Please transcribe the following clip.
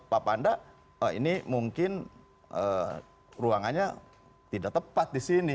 pak panda ini mungkin ruangannya tidak tepat di sini